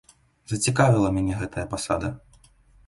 Зацікавіла мяне гэтая пасада.